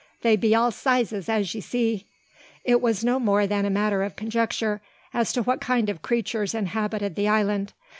They be all sizes, as ye see." It was no more a matter of conjecture, as to what kind of creatures inhabited the island.